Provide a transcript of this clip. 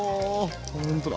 ほんとだ。